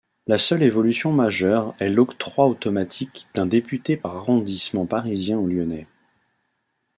La seule évolution majeure est l'octroi automatique d'un député par arrondissement parisien ou lyonnais.